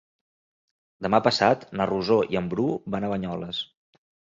Demà passat na Rosó i en Bru van a Banyoles.